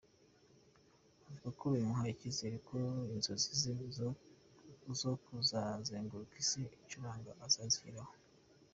Avuga ko bimuha icyizere ko inzozi ze zo kuzazengurika Isi acuranga azazigeraho.